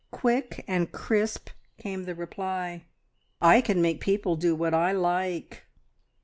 Quick and crisp came the reply "I can make people do what I like!"